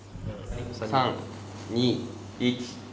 ３２１。